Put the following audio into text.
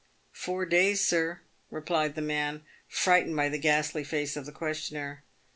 " Pour days, sir," replied the man, frightened by the ghastly face of the questioner.